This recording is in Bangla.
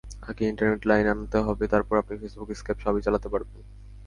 আগে ইন্টারনেট লাইন আনতে হবে, তারপর আপনি ফেসবুক, স্কাইপ—সবই চালাতে পারবেন।